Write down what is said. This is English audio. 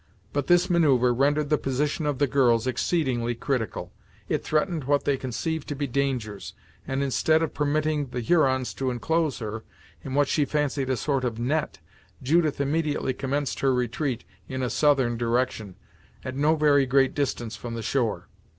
But this manoeuvre rendered the position of the girls exceedingly critical. It threatened to place them if not between two fires, at least between two dangers, or what they conceived to be dangers, and instead of permitting the Hurons to enclose her, in what she fancied a sort of net, Judith immediately commenced her retreat in a southern direction, at no very great distance from the shore.